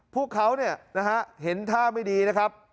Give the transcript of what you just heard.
พวกเขาเห็นท่าไม่ดีนะครับ